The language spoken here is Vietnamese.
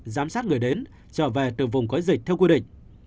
giám sát người đến trở về từ vùng có dịch theo quy định